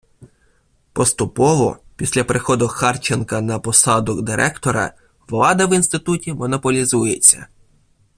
Поступово, після приходу Харченка на посаду Директора, влада в Інституті монополізується.